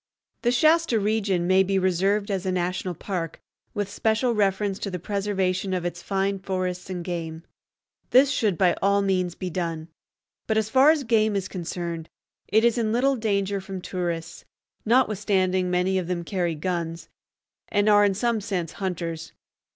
The Shasta region may be reserved as a national park, with special reference to the preservation of its fine forests and game. This should by all means be done; but, as far as game is concerned, it is in little danger from tourists, notwithstanding many of them carry guns, and are in some sense hunters.